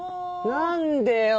何でよ！